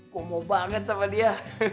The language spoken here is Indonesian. gue mau banget sama dia